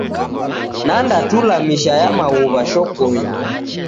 Nanda tula misha ya maghuw'a shokonyi.